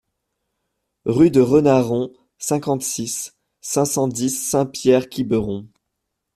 Rue de Renaron, cinquante-six, cinq cent dix Saint-Pierre-Quiberon